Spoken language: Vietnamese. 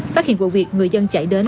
phát hiện vụ việc người dân chạy đến